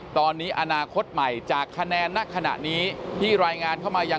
กรกตกลางได้รับรายงานผลนับคะแนนจากทั่วประเทศมาแล้วร้อยละ๔๕๕๔พักการเมืองที่มีแคนดิเดตนายกคนสำคัญ